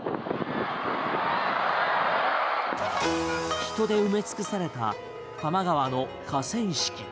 人で埋め尽くされた多摩川の河川敷。